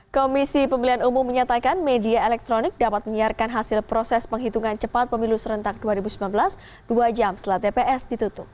komisi pemilihan umum menyatakan media elektronik dapat menyiarkan hasil proses penghitungan cepat pemilu serentak dua ribu sembilan belas dua jam setelah tps ditutup